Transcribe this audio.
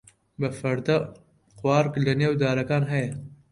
بە فەردە قوارگ لەنێو دارەکان هەیە.